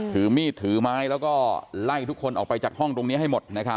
ถือมีดถือไม้แล้วก็ไล่ทุกคนออกไปจากห้องตรงนี้ให้หมด